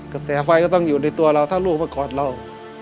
กระแสไฟก็ต้องอยู่ในตัวเราถ้าลูกมากอดเรา